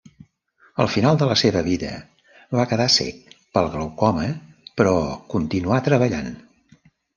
Al final de la seva vida va quedar cec pel glaucoma però continuà treballant.